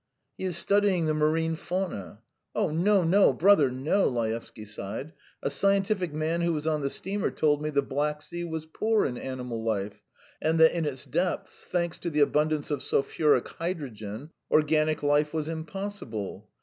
"He is studying the marine fauna." "No, no, brother, no!" Laevsky sighed. "A scientific man who was on the steamer told me the Black Sea was poor in animal life, and that in its depths, thanks to the abundance of sulphuric hydrogen, organic life was impossible.